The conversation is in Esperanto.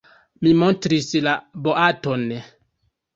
Mi montris la boaton.